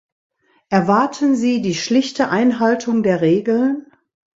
Erwarten Sie die schlichte Einhaltung der Regeln?